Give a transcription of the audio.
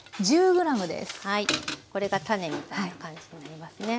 これが種みたいな感じになりますね。